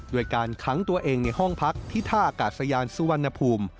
โดยการค้างตัวเองในห้องพักที่ท่าอากาศยานสุวรรณภูมิ